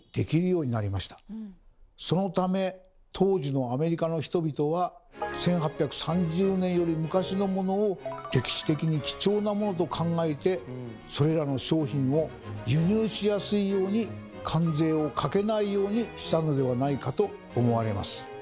そのため当時のアメリカの人々は１８３０年より昔のモノを歴史的に貴重なモノと考えてそれらの商品を輸入しやすいように関税をかけないようにしたのではないかと思われます。